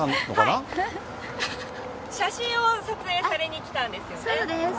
写真を撮影されに来たんですよね。